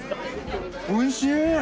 おいしい！